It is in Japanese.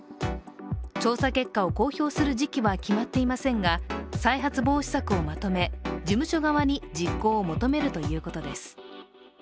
調査結果を公表する時期は決まっていませんが再発防止策をまとめ、事務所側に実行を求めるということです。